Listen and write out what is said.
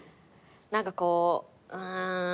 何かこううーん。